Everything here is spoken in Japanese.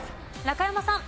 中山さん。